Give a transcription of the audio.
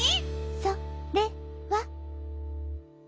「それは」。